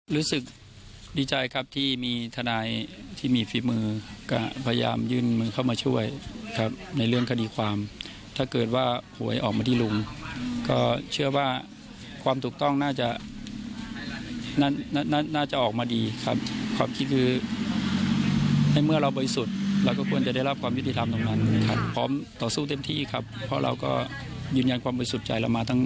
รู้สึกดีใจครับที่มีทนายที่มีฝีมือก็พยายามยื่นมือเข้ามาช่วยครับในเรื่องคดีความถ้าเกิดว่าหวยออกมาที่ลุงก็เชื่อว่าความถูกต้องน่าจะออกมาดีครับความคิดคือในเมื่อเราบริสุทธิ์เราก็ควรจะได้รับความยุติธรรมตรงนั้นครับพร้อมต่อสู้เต็มที่ครับเพราะเราก็ยืนยันความบริสุทธิ์ใจเรามาทั้ง